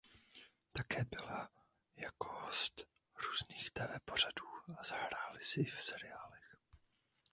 Také byla jako host různých tv pořadů a zahráli si i v seriálech.